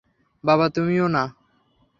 বাবা তুমিও না।